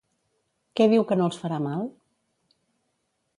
Què diu que no els farà mal?